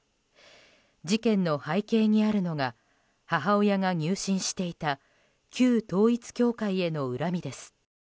事件の背景にあるのが母親が入信していた旧統一教会への恨みです。